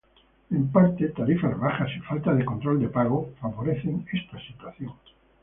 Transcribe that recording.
En parte, tarifas bajas y falta de control de pago favorecen esta situación.